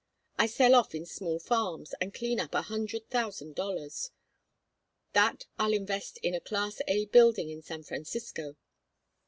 I sell off in small farms, and clean up a hundred thousand dollars. That I'll invest in a Class A building in San Francisco.